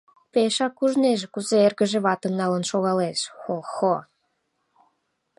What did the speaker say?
Пешак ужнеже, кузе эргыже ватым налын шогалеш, хо-хо!